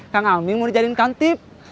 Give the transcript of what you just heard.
kang aming mau dijadiin kantip